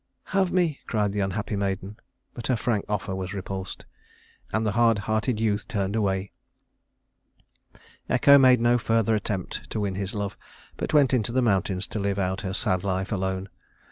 "Have me," cried the unhappy maiden; but her frank offer was repulsed, and the hard hearted youth turned away. Echo made no further attempt to win his love, but went into the mountains to live out her sad life alone.